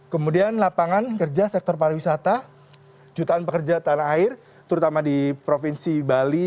kemudian lapangan kerja sektor pariwisata jutaan pekerja tanah air terutama di provinsi bali